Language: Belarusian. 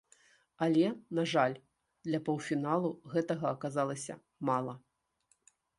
Але, на жаль, для паўфіналу гэтага аказалася мала.